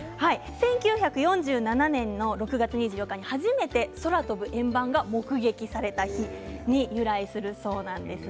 １９４７年の６月２４日に初めて空飛ぶ円盤が目撃された日に由来するそうなんです。